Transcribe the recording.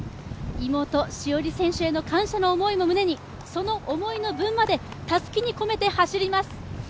妹・詩織選手への感謝の思いを胸にその思いの分までたすきに込めて走ります。